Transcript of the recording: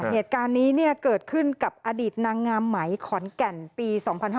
เหตุการณ์นี้เกิดขึ้นกับอดีตนางงามไหมขอนแก่นปี๒๕๕๙